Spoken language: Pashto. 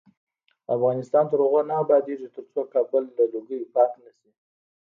افغانستان تر هغو نه ابادیږي، ترڅو کابل له لوګیو پاک نشي.